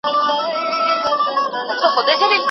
دولت به په مالدارۍ کي اسانتیاوي برابرې کړي.